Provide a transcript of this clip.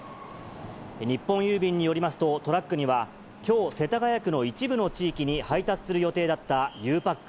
日本郵便によりますと、トラックにはきょう、世田谷区の一部の地域に配達する予定だったゆうパック